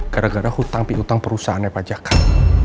gara gara hutang pihutang perusahaan pajakak